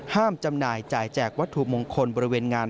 จำหน่ายจ่ายแจกวัตถุมงคลบริเวณงาน